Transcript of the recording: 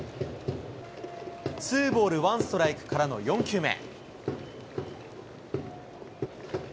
ツーボールワンストライクからの４球目。